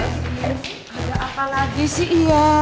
ada apa lagi sih iya